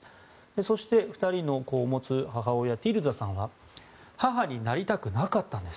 そして、２人の子を持つ母親ティルザさんは母になりたくなかったんです。